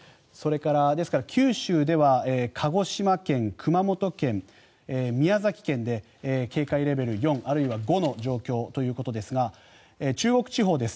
ですから、九州では鹿児島県、熊本県、宮崎県で警戒レベル４あるいは５の状況ということですが中国地方です。